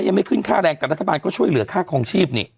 ยังไม่ขึ้นค่าแรงแต่รัฐบาลก็ช่วยเหลือค่าคลองชีพนี่